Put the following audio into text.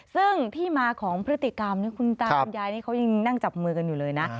ซึ่งที่มาของพฤติกรรมคุณตากิ่งนั่งจับมือกันอยู่เลยนะ